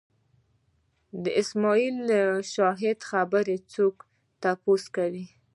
د اسماعیل شاهد خبره څوک یې تپوس کوي